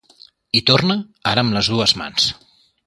Hi torna, ara amb les dues mans.